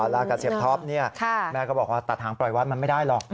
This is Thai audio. ลากับเสียท็อปแม่ก็บอกว่าตัดหางปล่อยวัดมันไม่ได้หรอก